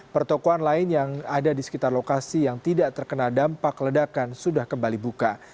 pertokohan lain yang ada di sekitar lokasi yang tidak terkena dampak ledakan sudah kembali buka